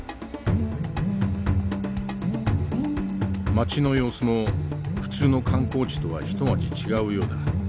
町の様子も普通の観光地とは一味違うようだ。